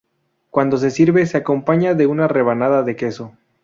Cuando se sirve, se acompaña de una rebanada de queso.